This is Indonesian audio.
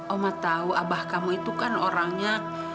oma tahu abah kamu itu kan orangnya